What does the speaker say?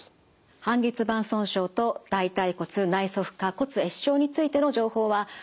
半月板損傷と大腿骨内側顆骨壊死症についての情報はホームページ